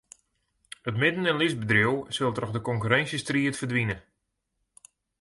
It midden- en lytsbedriuw sil troch de konkurrinsjestriid ferdwine.